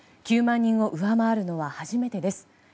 ９万人を上回るのは初めてです。